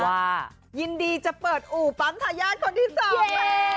ยินดีจะเปิดอู่ปั๊มทายาทคนที่สอง